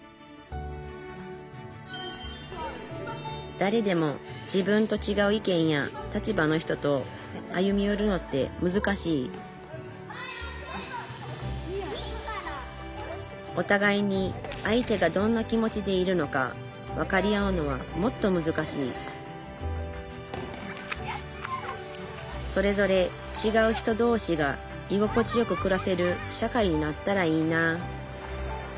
だれでも自分とちがう意見や立場の人と歩みよるのってむずかしいおたがいに相手がどんな気持ちでいるのか分かり合うのはもっとむずかしいそれぞれちがう人同士がいごこちよくくらせる社会になったらいいなあ